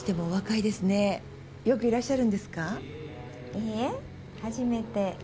いいえ初めて。